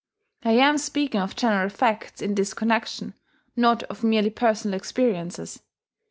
I am speaking of general facts in this connexion, not of merely personal experiences.